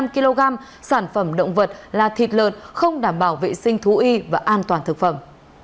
ba trăm năm mươi năm kg sản phẩm động vật là thịt lợn không đảm bảo vệ sinh thú y và an toàn thực phẩm